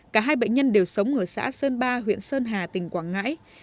cả hai bệnh nhân đều sống ở xã sơn ba huyện sơn hà tỉnh quảng ngãi